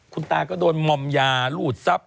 คุณตาก็โดนหม่อมยาหลุดทรัพย์